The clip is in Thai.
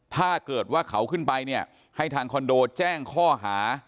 ถ้าเกิดว่าเขาขึ้นไปเนี่ยให้ทางคอนโดแจ้งข้อหา